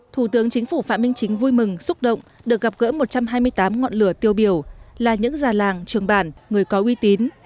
thủ tướng chính phủ phạm minh chính vui mừng xúc động được gặp gỡ một trăm hai mươi tám ngọn lửa tiêu biểu là những già làng trường bản người có uy tín